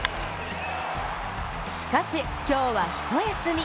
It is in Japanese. しかし、今日は一休み。